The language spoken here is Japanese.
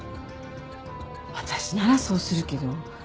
私ならそうするけど。